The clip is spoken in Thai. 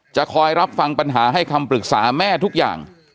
จะคอยรับฟังปัญหาให้คำปรึกษาแม่ทุกอย่าง